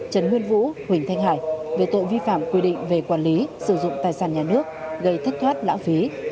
trần nguyên vũ huỳnh thanh hải về tội vi phạm quy định về quản lý sử dụng tài sản nhà nước gây thất thoát lãng phí